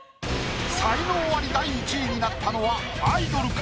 才能アリ第１位になったのはアイドルか？